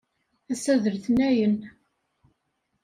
Assa d letnayen.